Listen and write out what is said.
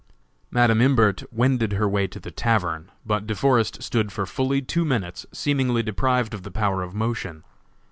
Madam Imbert wended her way to the tavern, but De Forest stood for fully two minutes, seemingly deprived of the power of motion.